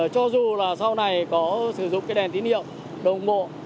cho dù là sau này có sử dụng cái đèn tín hiệu đồng bộ